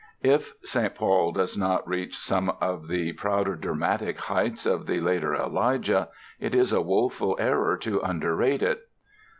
If "St. Paul" does not reach some of the prouder dramatic heights of the later "Elijah" it is a woeful error to underrate it.